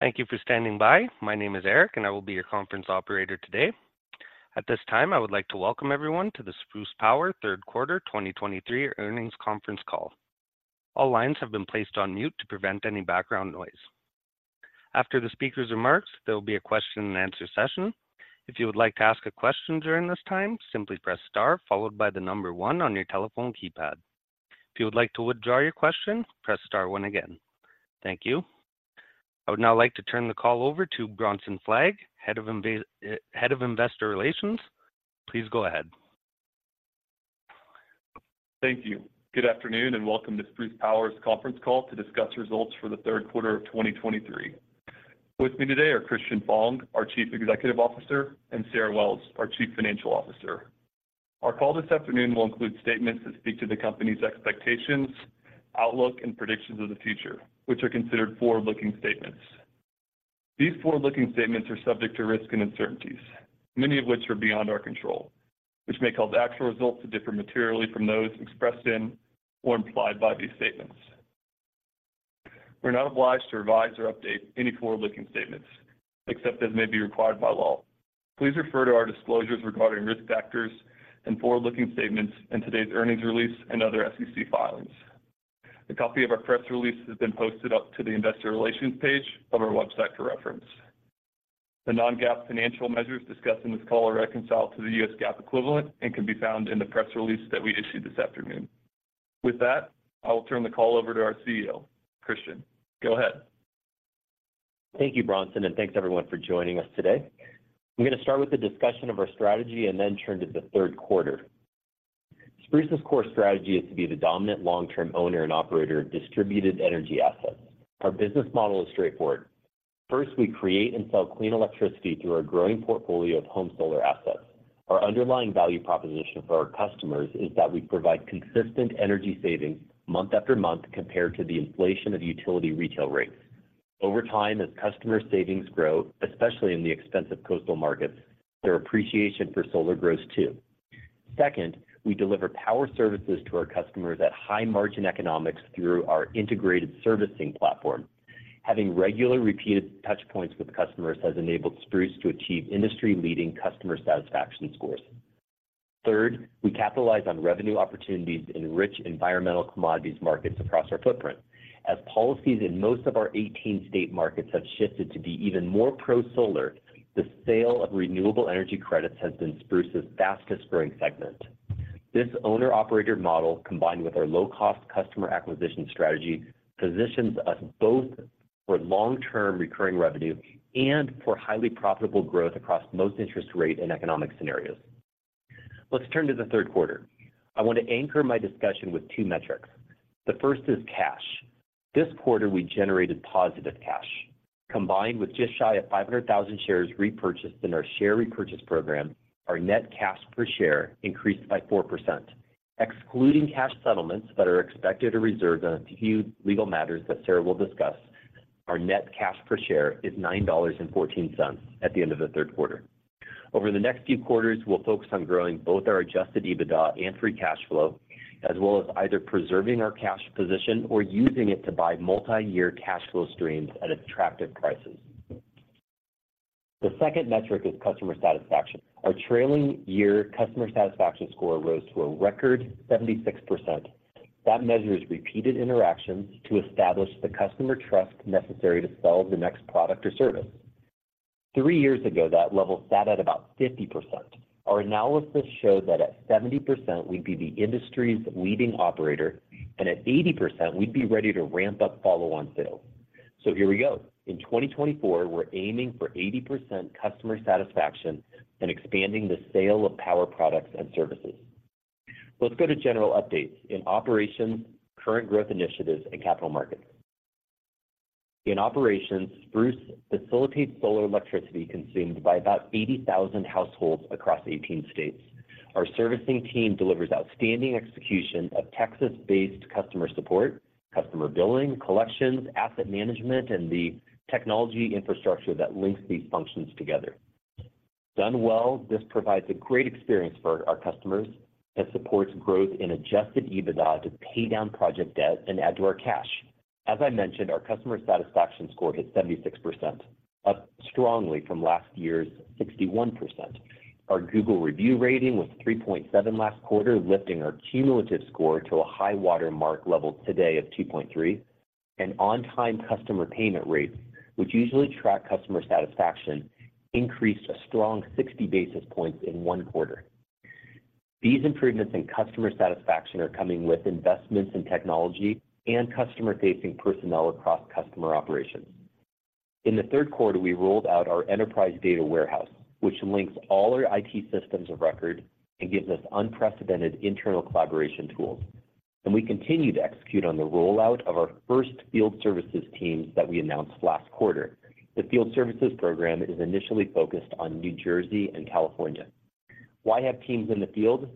Thank you for standing by. My name is Eric, and I will be your conference operator today. At this time, I would like to welcome everyone to the Spruce Power Third Quarter 2023 Earnings Conference Call. All lines have been placed on mute to prevent any background noise. After the speaker's remarks, there will be a question-and-answer session. If you would like to ask a question during this time, simply press Star followed by the number one on your telephone keypad. If you would like to withdraw your question, press Star one again. Thank you. I would now like to turn the call over to Bronson Fleig, Head of Investor Relations. Please go ahead. Thank you. Good afternoon, and welcome to Spruce Power's conference call to discuss results for the third quarter of 2023. With me today are Christian Fong, our Chief Executive Officer, and Sarah Wells, our Chief Financial Officer. Our call this afternoon will include statements that speak to the company's expectations, outlook, and predictions of the future, which are considered forward-looking statements. These forward-looking statements are subject to risks and uncertainties, many of which are beyond our control, which may cause actual results to differ materially from those expressed in or implied by these statements. We're not obliged to revise or update any forward-looking statements, except as may be required by law. Please refer to our disclosures regarding risk factors and forward-looking statements in today's earnings release and other SEC filings. A copy of our press release has been posted up to the Investor Relations page of our website for reference. The non-GAAP financial measures discussed in this call are reconciled to the U.S. GAAP equivalent and can be found in the press release that we issued this afternoon. With that, I will turn the call over to our CEO, Christian. Go ahead. Thank you, Bronson, and thanks, everyone, for joining us today. I'm going to start with a discussion of our strategy and then turn to the third quarter. Spruce's core strategy is to be the dominant long-term owner and operator of distributed energy assets. Our business model is straightforward. First, we create and sell clean electricity through our growing portfolio of home solar assets. Our underlying value proposition for our customers is that we provide consistent energy savings month after month compared to the inflation of utility retail rates. Over time, as customer savings grow, especially in the expensive coastal markets, their appreciation for solar grows, too. Second, we deliver power services to our customers at high-margin economics through our integrated servicing platform. Having regular, repeated touch points with customers has enabled Spruce to achieve industry-leading customer satisfaction scores. Third, we capitalize on revenue opportunities in rich environmental commodities markets across our footprint. As policies in most of our 18 state markets have shifted to be even more pro-solar, the sale of Renewable Energy Credits has been Spruce's fastest-growing segment. This owner-operator model, combined with our low-cost customer acquisition strategy, positions us both for long-term recurring revenue and for highly profitable growth across most interest rate and economic scenarios. Let's turn to the third quarter. I want to anchor my discussion with two metrics. The first is cash. This quarter, we generated positive cash. Combined with just shy of 500,000 shares repurchased in our share repurchase program, our net cash per share increased by 4%. Excluding cash settlements that are expected to reserve on a few legal matters that Sarah will discuss, our net cash per share is $9.14 at the end of the third quarter. Over the next few quarters, we'll focus on growing both our Adjusted EBITDA and Free Cash Flow, as well as either preserving our cash position or using it to buy multi-year cash flow streams at attractive prices. The second metric is customer satisfaction. Our trailing year customer satisfaction score rose to a record 76%. That measure is repeated interactions to establish the customer trust necessary to sell the next product or service. Three years ago, that level sat at about 50%. Our analysis showed that at 70%, we'd be the industry's leading operator, and at 80%, we'd be ready to ramp up follow-on sales. So here we go. In 2024, we're aiming for 80% customer satisfaction and expanding the sale of power products and services. Let's go to general updates in operations, current growth initiatives, and capital markets. In operations, Spruce facilitates solar electricity consumed by about 80,000 households across 18 states. Our servicing team delivers outstanding execution of Texas-based customer support, customer billing, collections, asset management, and the technology infrastructure that links these functions together. Done well, this provides a great experience for our customers and supports growth in Adjusted EBITDA to pay down project debt and add to our cash. As I mentioned, our customer satisfaction score hit 76%, up strongly from last year's 61%. Our Google review rating was 3.7 last quarter, lifting our cumulative score to a high-water mark level today of 2.3. On-time customer payment rates, which usually track customer satisfaction, increased a strong 60 basis points in one quarter. These improvements in customer satisfaction are coming with investments in technology and customer-facing personnel across customer operations. In the third quarter, we rolled out our enterprise data warehouse, which links all our IT systems of record and gives us unprecedented internal collaboration tools. We continue to execute on the rollout of our first field services teams that we announced last quarter. The field services program is initially focused on New Jersey and California. Why have teams in the field?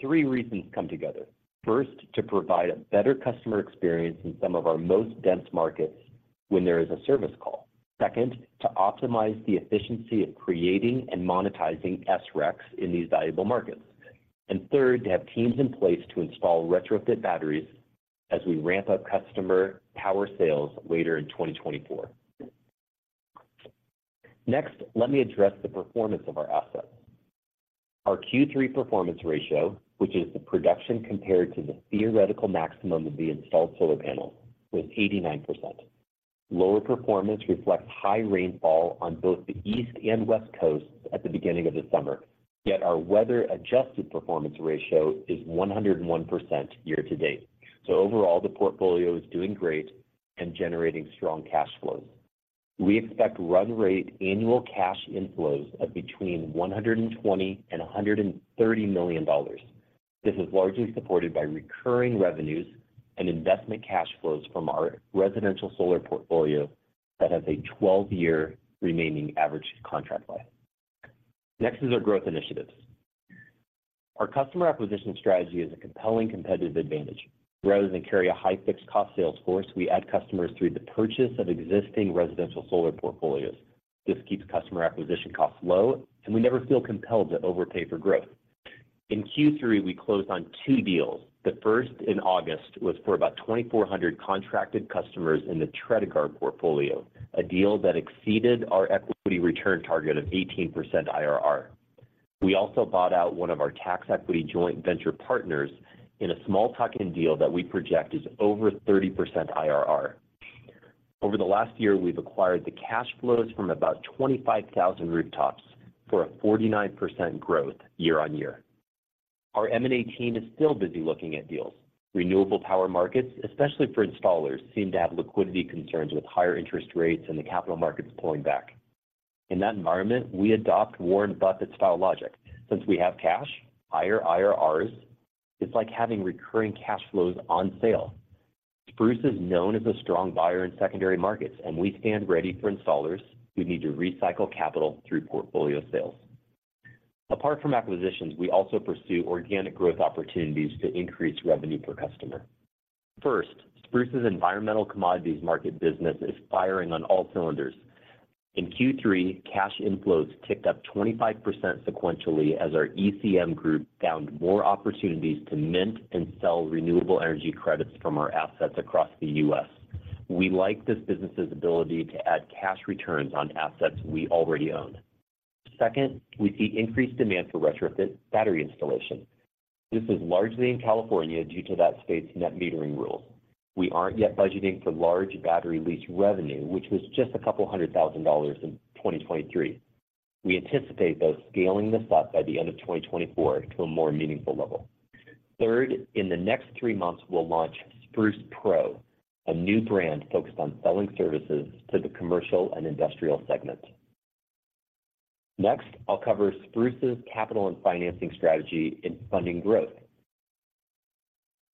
Three reasons come together. First, to provide a better customer experience in some of our most dense markets when there is a service call. Second, to optimize the efficiency of creating and monetizing SRECs in these valuable markets.... And third, to have teams in place to install retrofit batteries as we ramp up customer power sales later in 2024. Next, let me address the performance of our assets. Our Q3 performance ratio, which is the production compared to the theoretical maximum of the installed solar panels, was 89%. Lower performance reflects high rainfall on both the East and West Coasts at the beginning of the summer. Yet our weather-adjusted performance ratio is 101% year to date. So overall, the portfolio is doing great and generating strong cash flows. We expect run rate annual cash inflows of between $120 million and $130 million. This is largely supported by recurring revenues and investment cash flows from our residential solar portfolio that has a 12-year remaining average contract life. Next is our growth initiatives. Our customer acquisition strategy is a compelling competitive advantage. Rather than carry a high fixed cost sales force, we add customers through the purchase of existing residential solar portfolios. This keeps customer acquisition costs low, and we never feel compelled to overpay for growth. In Q3, we closed on two deals. The first in August, was for about 2,400 contracted customers in the Tredegar portfolio, a deal that exceeded our equity return target of 18% IRR. We also bought out one of our tax equity joint venture partners in a small tuck-in deal that we project is over 30% IRR. Over the last year, we've acquired the cash flows from about 25,000 rooftops for a 49% growth year-over-year. Our M&A team is still busy looking at deals. Renewable power markets, especially for installers, seem to have liquidity concerns with higher interest rates and the capital markets pulling back. In that environment, we adopt Warren Buffett-style logic. Since we have cash, higher IRRs, it's like having recurring cash flows on sale. Spruce is known as a strong buyer in secondary markets, and we stand ready for installers who need to recycle capital through portfolio sales. Apart from acquisitions, we also pursue organic growth opportunities to increase revenue per customer. First, Spruce's environmental commodities market business is firing on all cylinders. In Q3, cash inflows ticked up 25% sequentially as our ECM group found more opportunities to mint and sell renewable energy credits from our assets across the U.S. We like this business's ability to add cash returns on assets we already own. Second, we see increased demand for retrofit battery installation. This is largely in California due to that state's net metering rules. We aren't yet budgeting for large battery lease revenue, which was just $200,000 in 2023. We anticipate, though, scaling this up by the end of 2024 to a more meaningful level. Third, in the next three months, we'll launch Spruce PRO, a new brand focused on selling services to the commercial and industrial segments. Next, I'll cover Spruce's capital and financing strategy in funding growth.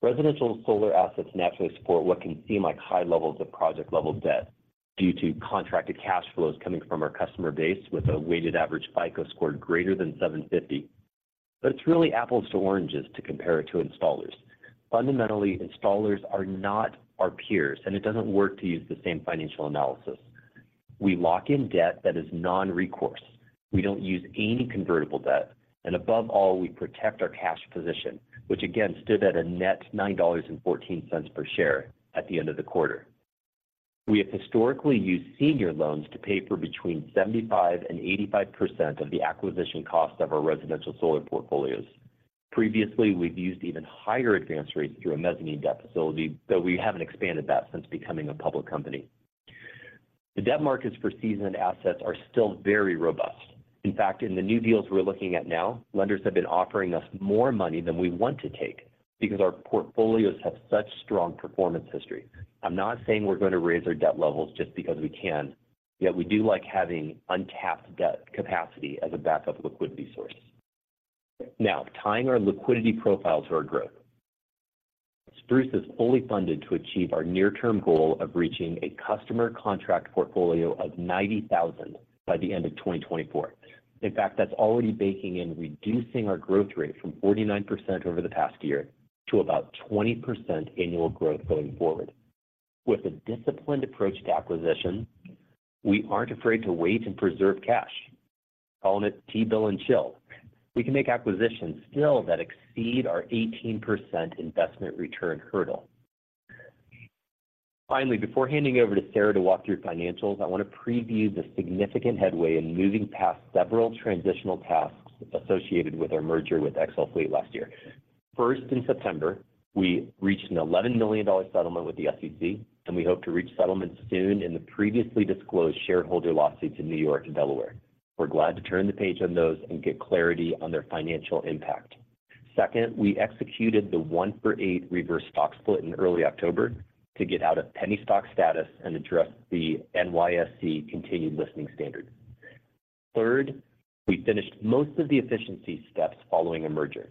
Residential solar assets naturally support what can seem like high levels of project-level debt due to contracted cash flows coming from our customer base with a weighted average FICO score greater than 750. But it's really apples to oranges to compare it to installers. Fundamentally, installers are not our peers, and it doesn't work to use the same financial analysis. We lock in debt that is non-recourse. We don't use any convertible debt, and above all, we protect our cash position, which again, stood at a net $9.14 per share at the end of the quarter. We have historically used senior loans to pay for between 75%-85% of the acquisition cost of our residential solar portfolios. Previously, we've used even higher advance rates through a mezzanine debt facility, though we haven't expanded that since becoming a public company. The debt markets for seasoned assets are still very robust. In fact, in the new deals we're looking at now, lenders have been offering us more money than we want to take because our portfolios have such strong performance history. I'm not saying we're going to raise our debt levels just because we can, yet we do like having untapped debt capacity as a backup liquidity source. Now, tying our liquidity profile to our growth. Spruce is fully funded to achieve our near-term goal of reaching a customer contract portfolio of 90,000 by the end of 2024. In fact, that's already baking in, reducing our growth rate from 49% over the past year to about 20% annual growth going forward. With a disciplined approach to acquisition, we aren't afraid to wait and preserve cash, calling it T-bill and chill. We can make acquisitions still that exceed our 18% investment return hurdle. Finally, before handing over to Sarah to walk through financials, I want to preview the significant headway in moving past several transitional tasks associated with our merger with XL Fleet last year. First, in September, we reached a $11 million settlement with the SEC, and we hope to reach settlement soon in the previously disclosed shareholder lawsuits in New York and Delaware. We're glad to turn the page on those and get clarity on their financial impact. Second, we executed the 1-for-8 reverse stock split in early October to get out of penny stock status and address the NYSE continued listing standard. Third, we finished most of the efficiency steps following a merger.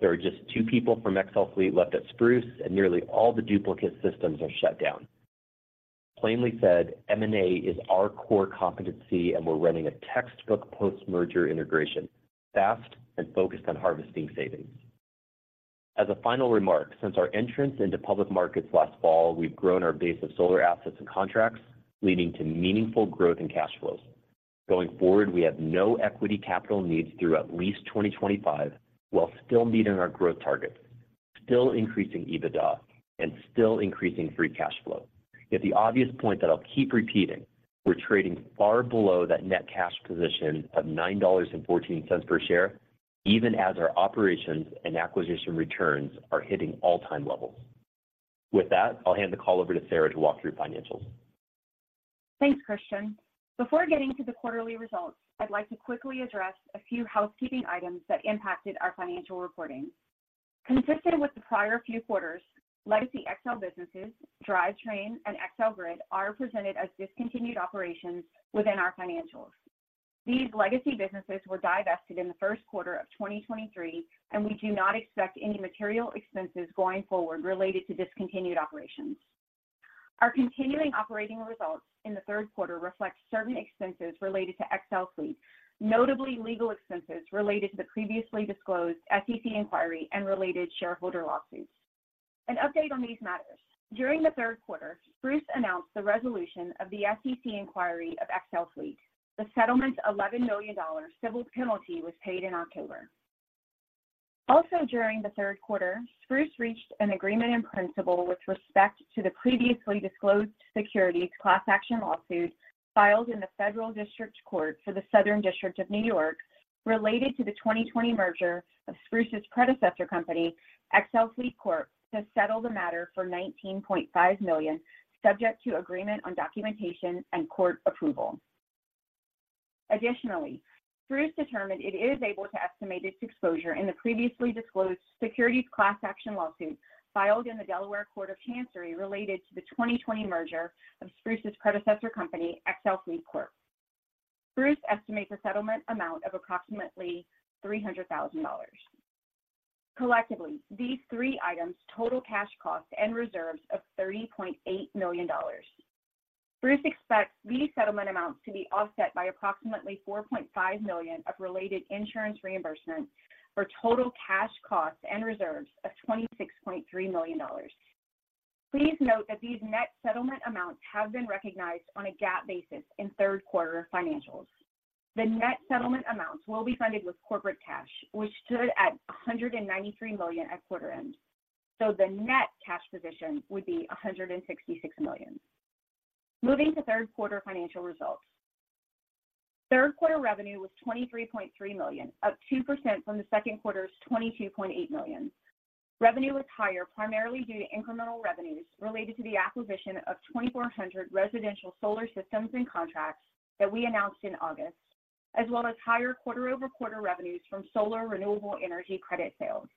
There are just 2 people from XL Fleet left at Spruce, and nearly all the duplicate systems are shut down. Plainly said, M&A is our core competency, and we're running a textbook post-merger integration, fast and focused on harvesting savings. As a final remark, since our entrance into public markets last fall, we've grown our base of solar assets and contracts, leading to meaningful growth in cash flows. Going forward, we have no equity capital needs through at least 2025, while still meeting our growth targets, still increasing EBITDA, and still increasing free cash flow. Yet the obvious point that I'll keep repeating, we're trading far below that net cash position of $9.14 per share, even as our operations and acquisition returns are hitting all-time levels. With that, I'll hand the call over to Sarah to walk through financials. Thanks, Christian. Before getting to the quarterly results, I'd like to quickly address a few housekeeping items that impacted our financial reporting. Consistent with the prior few quarters, legacy XL businesses, Drivetrain, and XL Grid, are presented as discontinued operations within our financials. These legacy businesses were divested in the first quarter of 2023, and we do not expect any material expenses going forward related to discontinued operations. Our continuing operating results in the third quarter reflect certain expenses related to XL Fleet, notably legal expenses related to the previously disclosed SEC inquiry and related shareholder lawsuits. An update on these matters: During the third quarter, Spruce announced the resolution of the SEC inquiry of XL Fleet. The settlement's $11 million civil penalty was paid in October. Also, during the third quarter, Spruce reached an agreement in principle with respect to the previously disclosed securities class action lawsuit filed in the Federal District Court for the Southern District of New York, related to the 2020 merger of Spruce's predecessor company, XL Fleet, to settle the matter for $19.5 million, subject to agreement on documentation and court approval. Additionally, Spruce determined it is able to estimate its exposure in the previously disclosed securities class action lawsuit filed in the Delaware Court of Chancery, related to the 2020 merger of Spruce's predecessor company, XL Fleet. Spruce estimates a settlement amount of approximately $300,000. Collectively, these three items total cash costs and reserves of $30.8 million. Spruce expects these settlement amounts to be offset by approximately $4.5 million of related insurance reimbursement, for total cash costs and reserves of $26.3 million. Please note that these net settlement amounts have been recognized on a GAAP basis in third quarter financials. The net settlement amounts will be funded with corporate cash, which stood at $193 million at quarter end, so the net cash position would be $166 million. Moving to third quarter financial results. Third quarter revenue was $23.3 million, up 2% from the second quarter's $22.8 million. Revenue was higher, primarily due to incremental revenues related to the acquisition of 2,400 residential solar systems and contracts that we announced in August, as well as higher quarter-over-quarter revenues from solar renewable energy credit sales.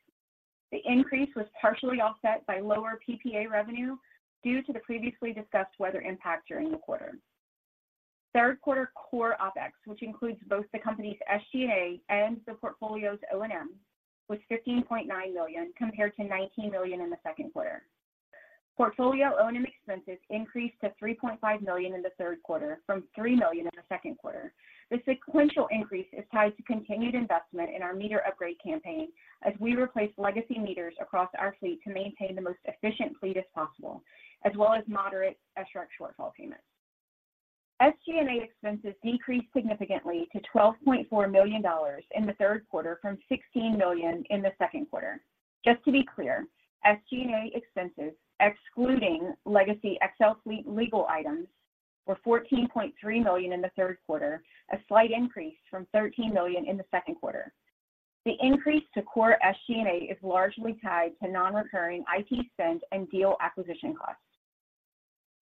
The increase was partially offset by lower PPA revenue due to the previously discussed weather impact during the quarter. Third quarter core OpEx, which includes both the company's SG&A and the portfolio's O&M, was $15.9 million, compared to $19 million in the second quarter. Portfolio O&M expenses increased to $3.5 million in the third quarter from $3 million in the second quarter. The sequential increase is tied to continued investment in our meter upgrade campaign as we replace legacy meters across our fleet to maintain the most efficient fleet as possible, as well as moderate SREC shortfall payments. SG&A expenses increased significantly to $12.4 million in the third quarter from $16 million in the second quarter. Just to be clear, SG&A expenses, excluding legacy XL Fleet legal items, were $14.3 million in the third quarter, a slight increase from $13 million in the second quarter. The increase to core SG&A is largely tied to non-recurring IT spend and deal acquisition costs.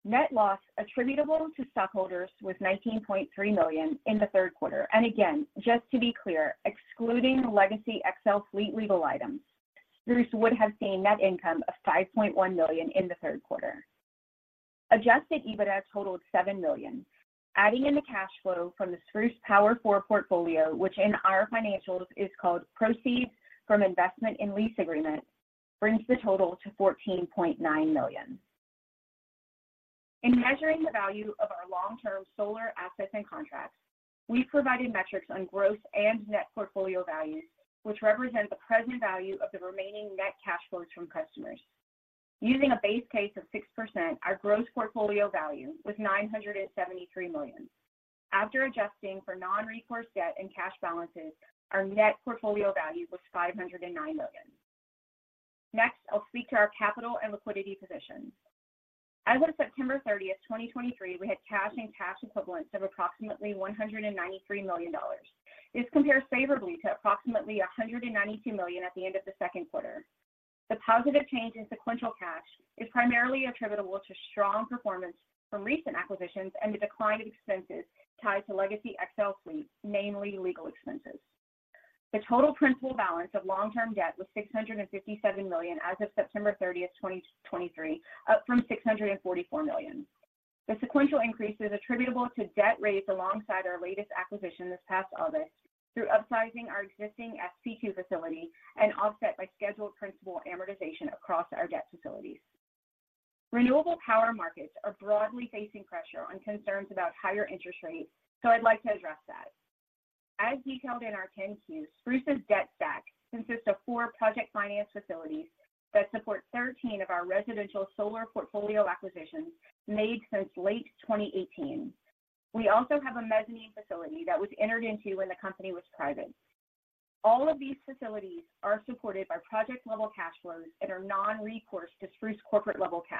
Net loss attributable to stockholders was $19.3 million in the third quarter. Again, just to be clear, excluding legacy XL Fleet legal items, Spruce would have seen net income of $5.1 million in the third quarter. Adjusted EBITDA totaled $7 million, adding in the cash flow from the Spruce Power 4 Portfolio, which in our financials is called Proceeds from Investment in Lease Agreement, brings the total to $14.9 million. In measuring the value of our long-term solar assets and contracts, we provided metrics on gross and net portfolio values, which represent the present value of the remaining net cash flows from customers. Using a base case of 6%, our gross portfolio value was $973 million. After adjusting for non-recourse debt and cash balances, our net portfolio value was $509 million. Next, I'll speak to our capital and liquidity positions. As of September 30, 2023, we had cash and cash equivalents of approximately $193 million. This compares favorably to approximately $192 million at the end of the second quarter. The positive change in sequential cash is primarily attributable to strong performance from recent acquisitions and a decline in expenses tied to legacy XL Fleet, namely legal expenses. The total principal balance of long-term debt was $657 million as of September 30, 2023, up from $644 million. The sequential increase is attributable to debt raised alongside our latest acquisition this past August through upsizing our existing FC2 facility and offset by scheduled principal amortization across our debt facilities. Renewable power markets are broadly facing pressure on concerns about higher interest rates, so I'd like to address that. As detailed in our 10-Qs, Spruce's debt stack consists of four project finance facilities that support 13 of our residential solar portfolio acquisitions made since late 2018. We also have a mezzanine facility that was entered into when the company was private. All of these facilities are supported by project-level cash flows and are non-recourse to Spruce corporate-level cash.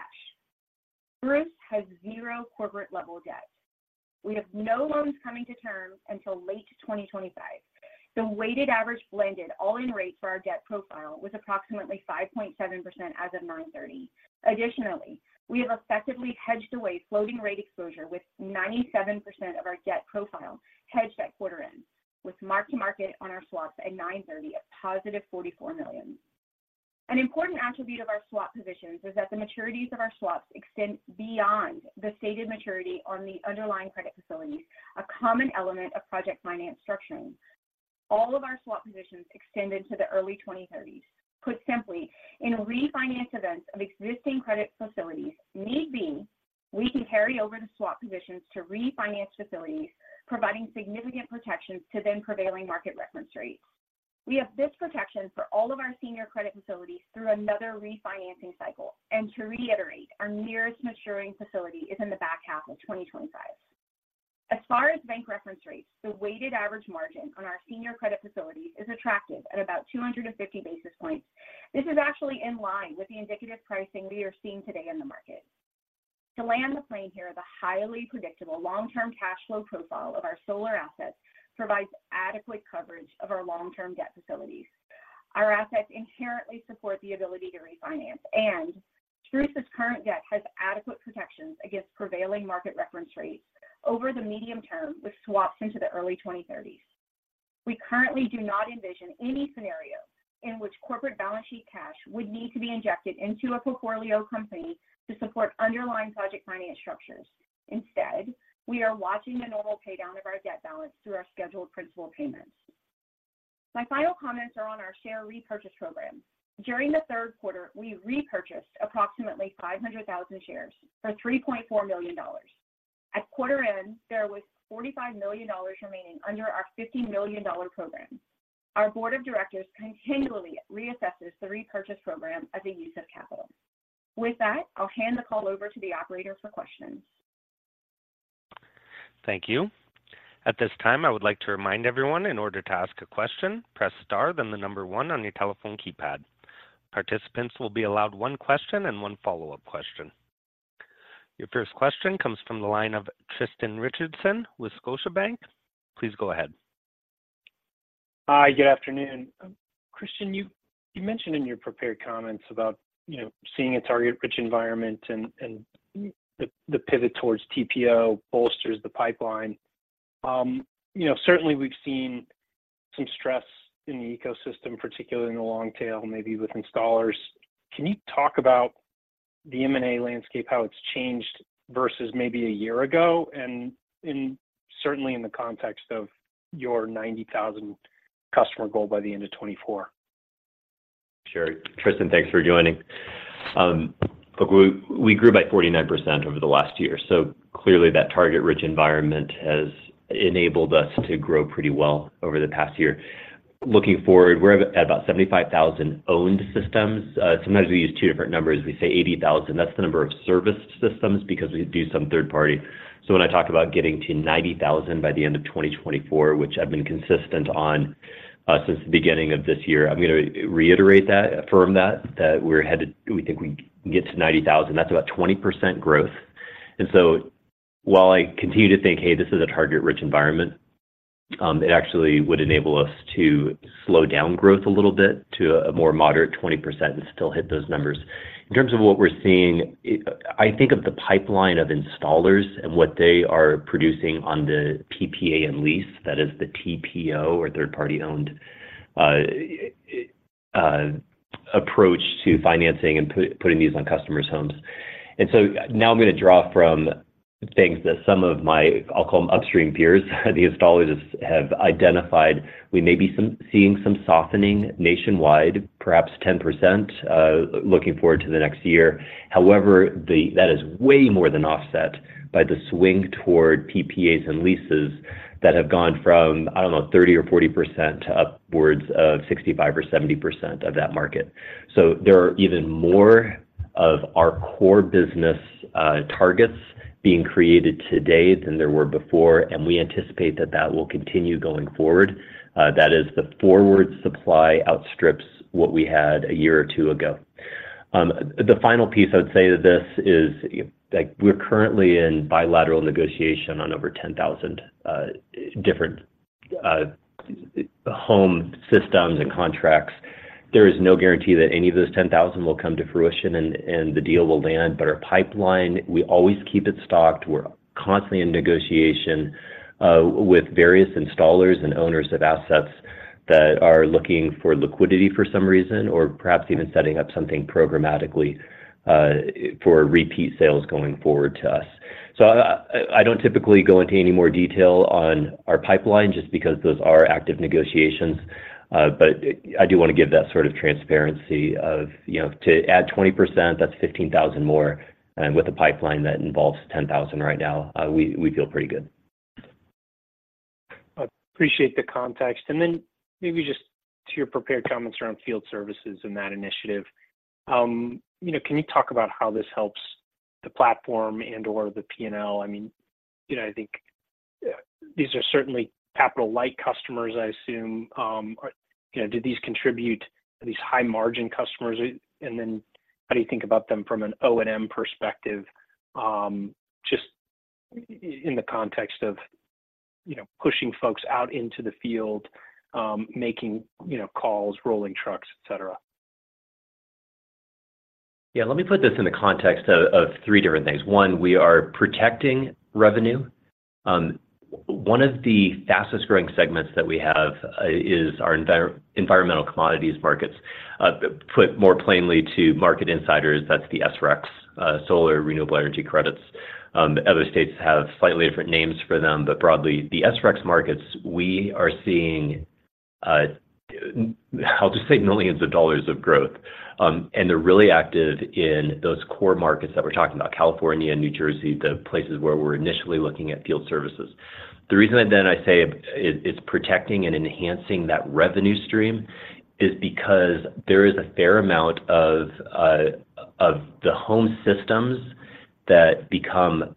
Spruce has zero corporate-level debt. We have no loans coming to term until late 2025. The weighted average blended all-in rate for our debt profile was approximately 5.7% as of 9/30. Additionally, we have effectively hedged away floating rate exposure, with 97% of our debt profile hedged at quarter end, with mark-to-market on our swaps at 9/30 of +$44 million. An important attribute of our swap positions is that the maturities of our swaps extend beyond the stated maturity on the underlying credit facilities, a common element of project finance structuring. All of our swap positions extended to the early 2030s. Put simply, in refinance events of existing credit facilities, need be, we can carry over the swap positions to refinance facilities, providing significant protections to then prevailing market reference rates. We have this protection for all of our senior credit facilities through another refinancing cycle, and to reiterate, our nearest maturing facility is in the back half of 2025. As far as bank reference rates, the weighted average margin on our senior credit facilities is attractive at about 250 basis points. This is actually in line with the indicative pricing we are seeing today in the market. To land the plane here is a highly predictable long-term cash flow profile of our solar assets provides adequate coverage of our long-term debt facilities. Our assets inherently support the ability to refinance, and Spruce's current debt has adequate protections against prevailing market reference rates over the medium term, with swaps into the early 2030s. We currently do not envision any scenario in which corporate balance sheet cash would need to be injected into a portfolio company to support underlying project finance structures. Instead, we are watching the normal paydown of our debt balance through our scheduled principal payments. My final comments are on our share repurchase program. During the third quarter, we repurchased approximately 500,000 shares for $3.4 million. At quarter end, there was $45 million remaining under our $50 million program. Our board of directors continually reassesses the repurchase program as a use of capital. With that, I'll hand the call over to the operator for questions. Thank you. At this time, I would like to remind everyone, in order to ask a question, press Star, then one on your telephone keypad. Participants will be allowed one question and one follow-up question. Your first question comes from the line of Tristan Richardson with Scotiabank. Please go ahead. Hi, good afternoon. Christian, you mentioned in your prepared comments about, you know, seeing a target-rich environment and the pivot towards TPO bolsters the pipeline. You know, certainly we've seen some stress in the ecosystem, particularly in the long tail, maybe with installers. Can you talk about the M&A landscape, how it's changed versus maybe a year ago, and certainly in the context of your 90,000 customer goal by the end of 2024? Sure. Tristan, thanks for joining. Look, we, we grew by 49% over the last year, so clearly that target-rich environment has enabled us to grow pretty well over the past year. Looking forward, we're at about 75,000 owned systems. Sometimes we use two different numbers. We say 80,000. That's the number of serviced systems because we do some third party. So when I talk about getting to 90,000 by the end of 2024, which I've been consistent on, since the beginning of this year, I'm going to reiterate that, affirm that, that we're headed—we think we can get to 90,000. That's about 20% growth. And so while I continue to think, hey, this is a target-rich environment, it actually would enable us to slow down growth a little bit to a more moderate 20% and still hit those numbers. In terms of what we're seeing, I think of the pipeline of installers and what they are producing on the PPA and lease, that is the TPO or third party owned approach to financing and putting these on customers' homes. And so now I'm going to draw from things that some of my, I'll call them upstream peers, the installers, have identified. We may be seeing some softening nationwide, perhaps 10%, looking forward to the next year. However, that is way more than offset by the swing toward PPAs and leases that have gone from, I don't know, 30 or 40% to upwards of 65 or 70% of that market. So there are even more of our core business targets being created today than there were before, and we anticipate that that will continue going forward. That is, the forward supply outstrips what we had a year or two ago. The final piece I would say to this is, like, we're currently in bilateral negotiation on over 10,000 different home systems and contracts. There is no guarantee that any of those 10,000 will come to fruition and the deal will land, but our pipeline, we always keep it stocked. We're constantly in negotiation with various installers and owners of assets that are looking for liquidity for some reason, or perhaps even setting up something programmatically for repeat sales going forward to us. So I, I don't typically go into any more detail on our pipeline just because those are active negotiations. But I do want to give that sort of transparency of, you know, to add 20%, that's 15,000 more, and with a pipeline that involves 10,000 right now, we, we feel pretty good. I appreciate the context, and then maybe just to your prepared comments around field services and that initiative, you know, can you talk about how this helps the platform and/or the P&L? I mean, you know, I think, yeah, these are certainly capital-light customers, I assume. You know, do these contribute, are these high-margin customers? And then how do you think about them from an O&M perspective, just in the context of, you know, pushing folks out into the field, making, you know, calls, rolling trucks, et cetera? Yeah, let me put this in the context of three different things. One, we are protecting revenue. One of the fastest-growing segments that we have is our Environmental Commodities Markets. Put more plainly to market insiders, that's the SRECs, Solar Renewable Energy Credits. Other states have slightly different names for them, but broadly, the SRECs markets, we are seeing, I'll just say millions of dollars of growth. And they're really active in those core markets that we're talking about, California, New Jersey, the places where we're initially looking at field services. The reason that then I say it, it's protecting and enhancing that revenue stream is because there is a fair amount of the home systems that become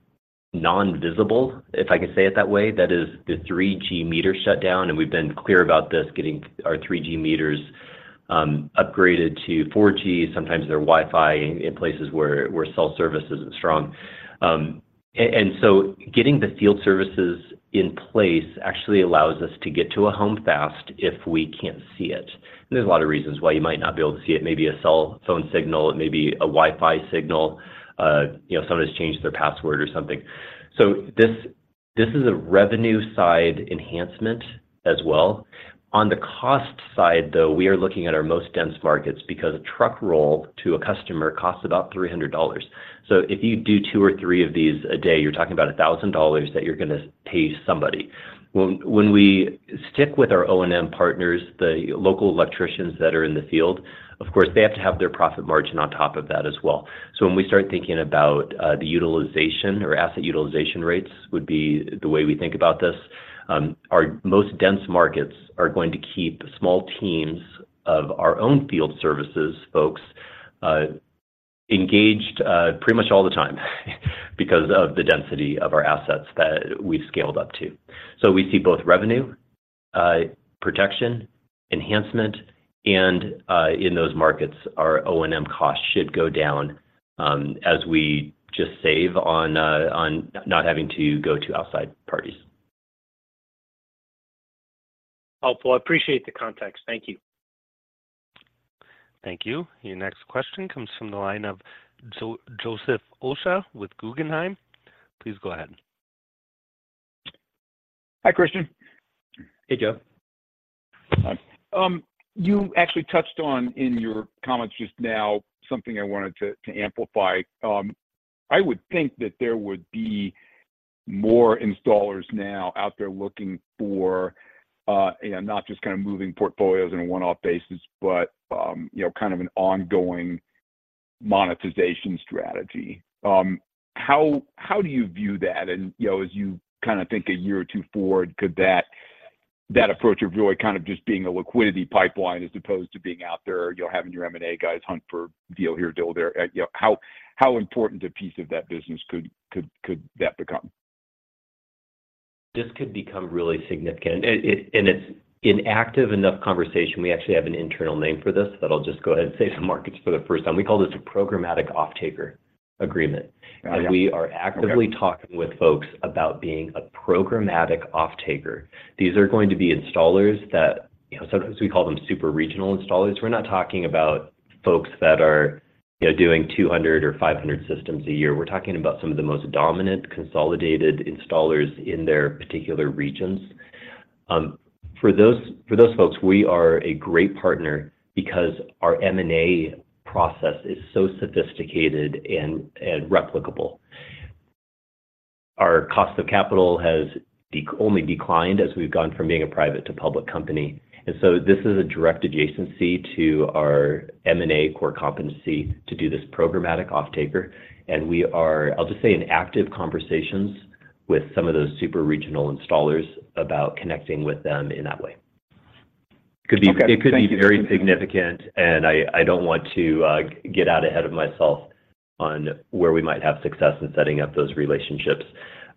non-visible, if I can say it that way. That is the 3G meter shutdown, and we've been clear about this, getting our 3G meters upgraded to 4G. Sometimes they're Wi-Fi in places where cell service isn't strong. And so getting the field services in place actually allows us to get to a home fast if we can't see it. There's a lot of reasons why you might not be able to see it. Maybe a cell phone signal, it may be a Wi-Fi signal, you know, someone has changed their password or something. So this, this is a revenue side enhancement as well. On the cost side, though, we are looking at our most dense markets because a truck roll to a customer costs about $300. So if you do two or three of these a day, you're talking about $1,000 that you're gonna pay somebody. When we stick with our O&M partners, the local electricians that are in the field, of course, they have to have their profit margin on top of that as well. So when we start thinking about, the utilization or asset utilization rates would be the way we think about this, our most dense markets are going to keep small teams of our own field services folks, engaged, pretty much all the time because of the density of our assets that we've scaled up to. So we see both revenue, protection, enhancement, and, in those markets, our O&M cost should go down, as we just save on not having to go to outside parties. Helpful. I appreciate the context. Thank you. Thank you. Your next question comes from the line of Joseph Osha with Guggenheim. Please go ahead. Hi, Christian. Hey, Joe. You actually touched on in your comments just now, something I wanted to amplify. I would think that there would be more installers now out there looking for, you know, not just kinda moving portfolios on a one-off basis, but, you know, kind of an ongoing monetization strategy. How do you view that? And, you know, as you kinda think a year or two forward, could that approach of really kind of just being a liquidity pipeline, as opposed to being out there, you know, having your M&A guys hunt for deal here, deal there, you know, how important a piece of that business could that become? This could become really significant. And it's in active enough conversation, we actually have an internal name for this, that I'll just go ahead and say to the markets for the first time. We call this a Programmatic Off-taker Agreement. Okay. And we are actively talking with folks about being a programmatic off-taker. These are going to be installers that, you know, sometimes we call them super regional installers. We're not talking about folks that are, you know, doing 200 or 500 systems a year. We're talking about some of the most dominant, consolidated installers in their particular regions. For those, for those folks, we are a great partner because our M&A process is so sophisticated and, and replicable. Our cost of capital has only declined as we've gone from being a private to public company. And so this is a direct adjacency to our M&A core competency to do this programmatic off-taker, and we are, I'll just say, in active conversations with some of those super regional installers about connecting with them in that way. Okay. It could be, it could be very significant, and I, I don't want to get out ahead of myself on where we might have success in setting up those relationships.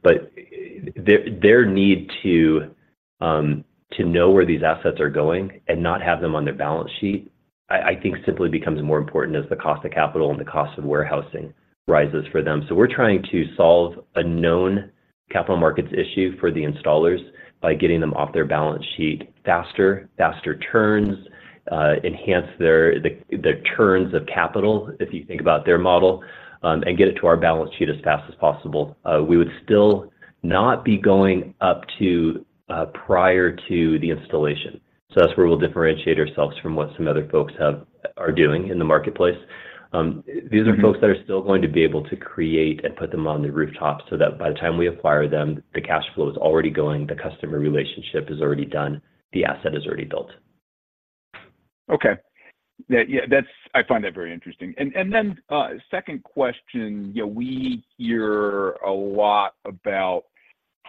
But their, their need to to know where these assets are going and not have them on their balance sheet, I, I think simply becomes more important as the cost of capital and the cost of warehousing rises for them. So we're trying to solve a known capital markets issue for the installers by getting them off their balance sheet faster, faster turns, enhance their, the, their turns of capital, if you think about their model, and get it to our balance sheet as fast as possible. We would still not be going up to prior to the installation. So that's where we'll differentiate ourselves from what some other folks have are doing in the marketplace. These are folks that are still going to be able to create and put them on the rooftop so that by the time we acquire them, the cash flow is already going, the customer relationship is already done, the asset is already built. Okay. Yeah, yeah, that's. I find that very interesting. And then, second question, yeah, we hear a lot about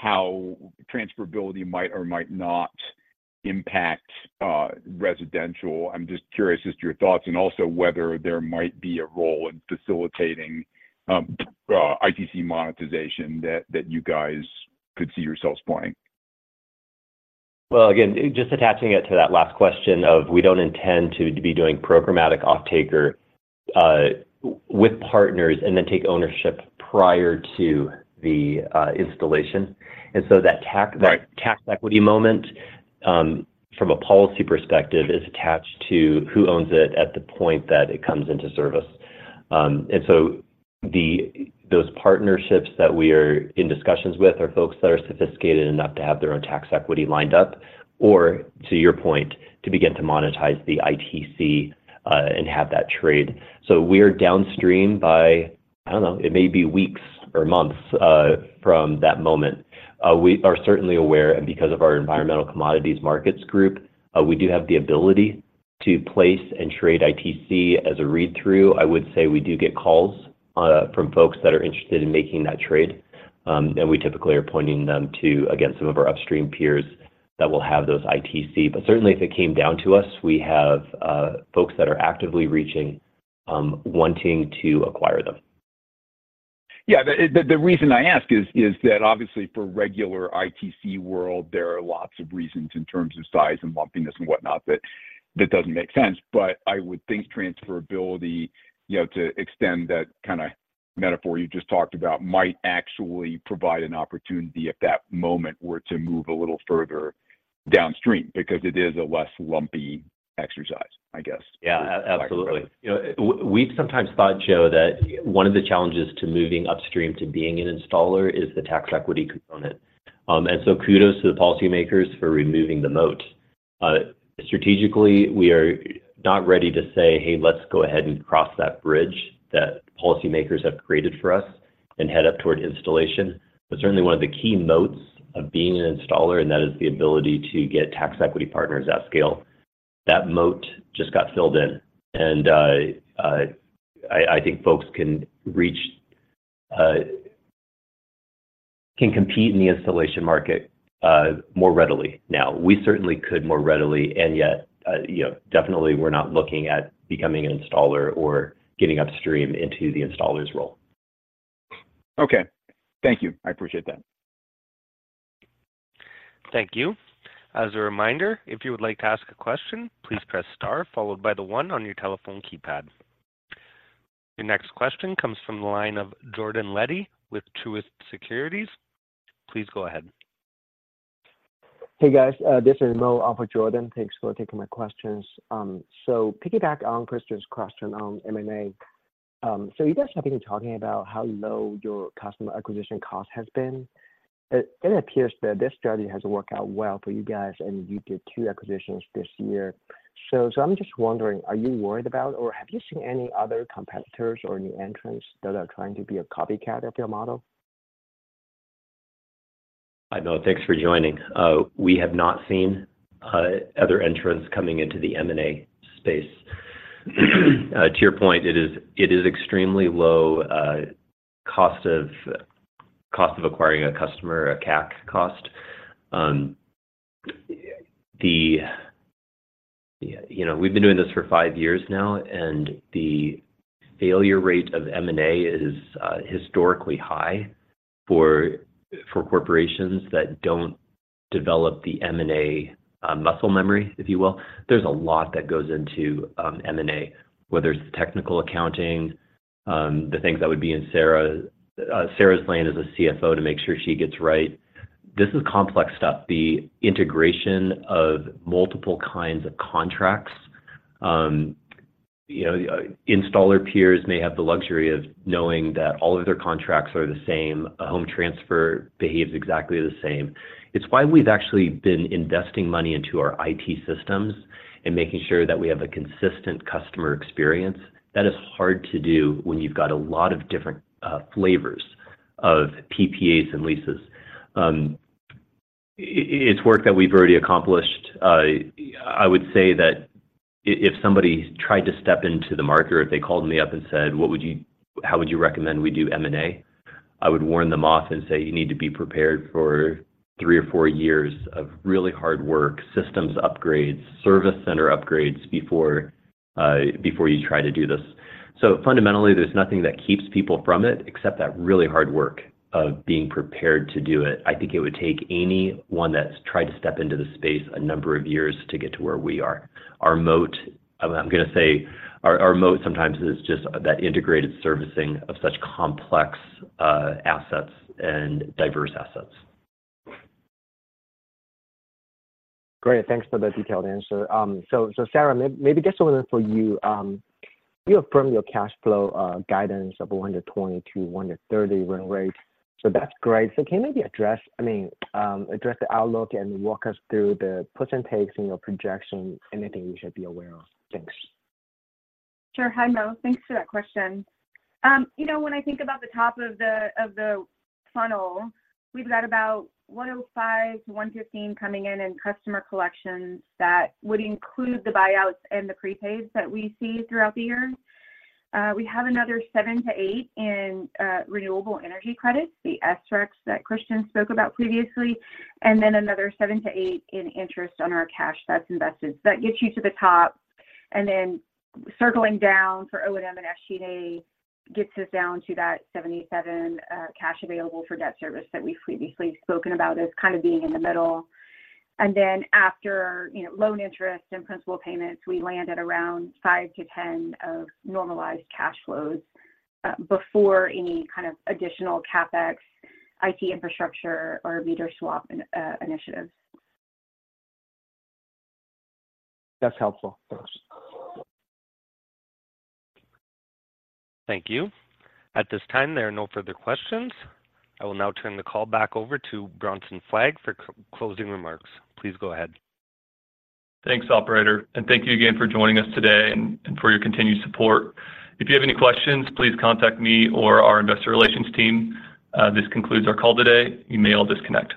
how transferability might or might not impact residential. I'm just curious as to your thoughts, and also whether there might be a role in facilitating ITC monetization that you guys could see yourselves playing. Well, again, just attaching it to that last question of we don't intend to be doing programmatic offtaker with partners, and then take ownership prior to the installation. And so that tax that tax equity moment, from a policy perspective, is attached to who owns it at the point that it comes into service. And so the, those partnerships that we are in discussions with are folks that are sophisticated enough to have their own tax equity lined up, or to your point, to begin to monetize the ITC, and have that trade. So we're downstream by, I don't know, it may be weeks or months, from that moment. We are certainly aware, and because of our Environmental Commodities Markets group, we do have the ability to place and trade ITC as a read-through. I would say we do get calls, from folks that are interested in making that trade, and we typically are pointing them to, again, some of our upstream peers that will have those ITC. But certainly, if it came down to us, we have folks that are actively reaching, wanting to acquire them. Yeah, the reason I ask is that obviously for regular ITC world, there are lots of reasons in terms of size and lumpiness and whatnot that that doesn't make sense. But I would think transferability, you know, to extend that kind of metaphor you just talked about, might actually provide an opportunity if that moment were to move a little further downstream because it is a less lumpy exercise, I guess. Yeah, absolutely. We've sometimes thought, Joe, that one of the challenges to moving upstream to being an installer is the tax equity component. And so kudos to the policymakers for removing the moat. Strategically, we are not ready to say, "Hey, let's go ahead and cross that bridge that policymakers have created for us and head up toward installation." But certainly one of the key moats of being an installer, and that is the ability to get tax equity partners at scale. That moat just got filled in, and I think folks can compete in the installation market more readily now. We certainly could more readily, and yet, you know, definitely we're not looking at becoming an installer or getting upstream into the installer's role. Okay. Thank you. I appreciate that. Thank you. As a reminder, if you would like to ask a question, please press star followed by the one on your telephone keypad. The next question comes from the line of Jordan Levy with Truist Securities. Please go ahead. Hey, guys, this is Mo, off of Jordan. Thanks for taking my questions. So piggyback on Christian's question on M&A. So you guys have been talking about how low your customer acquisition cost has been. It appears that this strategy has worked out well for you guys, and you did two acquisitions this year. So I'm just wondering, are you worried about, or have you seen any other competitors or new entrants that are trying to be a copycat of your model? Hi, Mo. Thanks for joining. We have not seen other entrants coming into the M&A space. To your point, it is extremely low cost of acquiring a customer, a CAC cost. You know, we've been doing this for five years now, and the failure rate of M&A is historically high for corporations that don't develop the M&A muscle memory, if you will. There's a lot that goes into M&A, whether it's technical accounting, the things that would be in Sarah's lane as a CFO to make sure she gets right. This is complex stuff. The integration of multiple kinds of contracts. You know, installer peers may have the luxury of knowing that all of their contracts are the same, a home transfer behaves exactly the same. It's why we've actually been investing money into our IT systems and making sure that we have a consistent customer experience. That is hard to do when you've got a lot of different flavors of PPAs and leases. It's work that we've already accomplished. I would say that if somebody tried to step into the market, or if they called me up and said, "How would you recommend we do M&A?" I would warn them off and say, "You need to be prepared for three or four years of really hard work, systems upgrades, service center upgrades before you try to do this." So fundamentally, there's nothing that keeps people from it, except that really hard work of being prepared to do it. I think it would take anyone that's tried to step into the space a number of years to get to where we are. Our moat, I'm going to say, our moat sometimes is just that integrated servicing of such complex, assets and diverse assets. Great, thanks for the detailed answer. So Sarah, maybe this one is for you. You affirmed your cash flow guidance of $120-$130 run rate. So that's great. So can you maybe address, I mean, address the outlook and walk us through the puts and takes in your projection, anything we should be aware of? Thanks. Sure. Hi, Mo. Thanks for that question. You know, when I think about the top of the, of the funnel, we've got about $105-$115 coming in in customer collections that would include the buyouts and the prepaids that we see throughout the year. We have another $7-$8 in renewable energy credits, the SRECs that Christian spoke about previously, and then another $7-$8 in interest on our cash that's invested. So that gets you to the top, and then circling down for O&M and SG&A, gets us down to that $77 cash available for debt service that we've previously spoken about as kind of being in the middle. And then after, you know, loan interest and principal payments, we land at around five to ten of normalized cash flows before any kind of additional CapEx, IT infrastructure, or meter swap-in initiative. That's helpful. Thanks. Thank you. At this time, there are no further questions. I will now turn the call back over to Bronson Fleig for closing remarks. Please go ahead. Thanks, operator, and thank you again for joining us today and for your continued support. This concludes our call today. You may all disconnect.